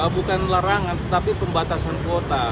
bukan larangan tetapi pembatasan kuota